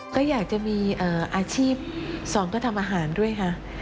ก็อยากจะมีอาชีพสองก็ทำอาหารด้วยค่ะ